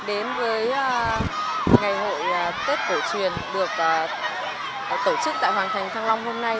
đến với ngày hội tết cổ truyền được tổ chức tại hoàng thành thăng long hôm nay